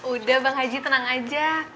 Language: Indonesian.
udah bang haji tenang aja